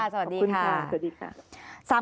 สวัสดีค่ะ